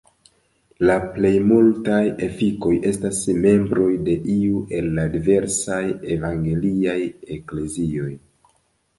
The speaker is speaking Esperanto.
La plej multaj efikoj estas membroj de iu el la diversaj evangeliaj eklezioj.